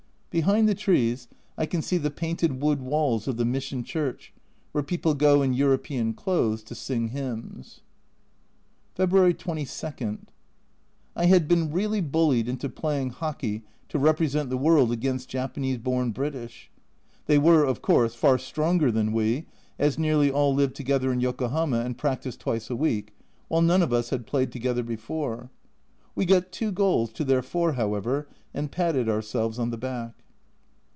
Behind the trees I can see the painted wood walls of the Mission church, where people go in European clothes to sing hymns. February 22. I had been really bullied into playing Hockey to represent the world against Japanese born British. They were, of course, far stronger than we, as nearly all live together in Yoko hama and practice twice a week, while none of us had played together before. We got 2 goals to their 4, however, and patted ourselves on the back.